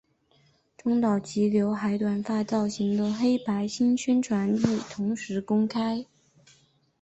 中岛齐浏海短发造型的黑白新宣传照亦同时公开。